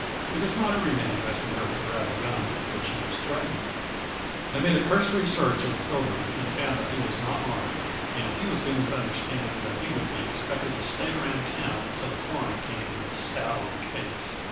It is not every man who has the nerve to grab a gun with which he is threatened. They made a cursory search of the Pilgrim and found that he was not armed, and he was given to understand that he would be expected to stay around town until the coroner came and "sat" on the case.